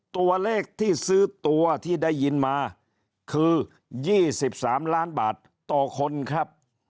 ตัวเลขที่ซื้อตัวที่ได้ยินมาคือ๒๓ล้านบาทต่อคนครับ